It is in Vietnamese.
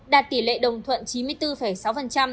đạt tỷ lệ đồng thuận chín mươi bốn sáu